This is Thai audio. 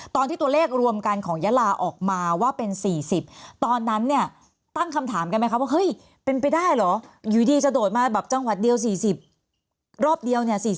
ตัวเลขรวมกันของยาลาออกมาว่าเป็น๔๐ตอนนั้นเนี่ยตั้งคำถามกันไหมครับว่าเฮ้ยเป็นไปได้เหรออยู่ดีจะโดดมาแบบจังหวัดเดียว๔๐รอบเดียวเนี่ย